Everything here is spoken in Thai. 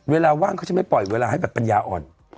ว่างเขาจะไม่ปล่อยเวลาให้แบบปัญญาอ่อน